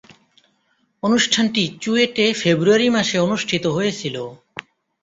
অনুষ্ঠানটি চুয়েটে ফেব্রুয়ারি মাসে অনুষ্ঠিত হয়েছিলো।